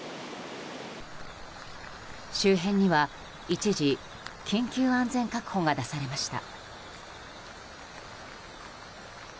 周辺には、一時緊急安全確保が出されました。